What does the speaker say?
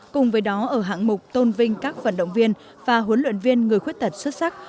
cùng với đó ở hạng mục tôn vinh các vận động viên và huấn luyện viên người khuyết tật xuất sắc